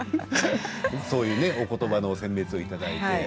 そういうねお言葉のせん別を頂いて。